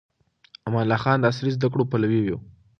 امان الله خان د عصري زده کړو پلوي و.